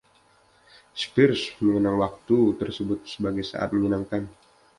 Spears mengenang waktu tersebut sebagai “saat menyenangkan”.